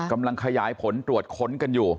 กำลังขยายผลตรวจค้นกันอยู่